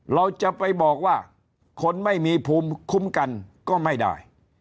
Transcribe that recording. เราจะไปบอกว่าคนไม่มีภูมิคุ้มกันก็ไม่ได้